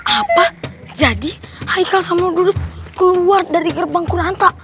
apa jadi haikal sama dodot keluar dari gerbangku ranta